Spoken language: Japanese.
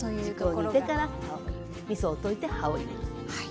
軸を煮てからみそを溶いて葉を入れる。